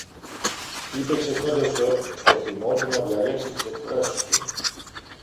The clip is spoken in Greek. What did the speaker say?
είπε ξεχνώντας στο θυμό του να διαλέξει τις εκφράσεις του.